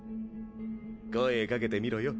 声掛けてみろよ。